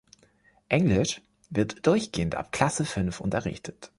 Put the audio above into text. Englisch wird durchgehend ab Klasse fünf unterrichtet.